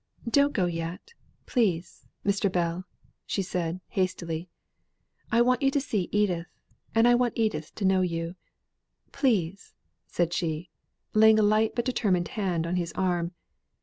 "Don't go yet, please Mr. Bell," said she, hastily. "I want you to see Edith; and I want Edith to know you. Please!" said she, laying a light but determined hand on his arm.